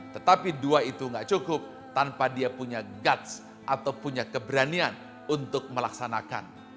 tetapi dua itu gak cukup tanpa dia punya guts atau punya keberanian untuk melaksanakan